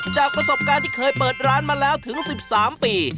จากประสบการณ์ที่เคยเปิดร้านมาแล้วถึง๑๓ปี